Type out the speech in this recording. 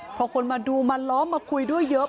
พอคนมาดูมาล้อมมาคุยด้วยเยอะ